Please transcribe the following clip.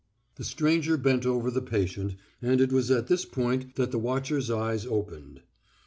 The stranger bent over the patient, and it was at this point that the watcher's eyes opened.